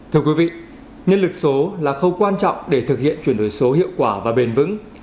thưa quý vị nhân lực số là khâu quan trọng để thực hiện chuyển đổi số hiệu quả và bền vững